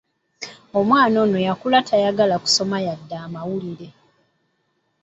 Omwana ono yakula tayagala kusoma yadde amawulire.